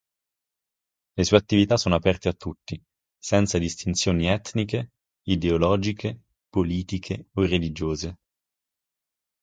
Le sue attività sono aperte a tutti, senza distinzioni etniche, ideologiche, politiche o religiose.